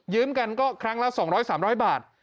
กันก็ครั้งละ๒๐๐๓๐๐บาท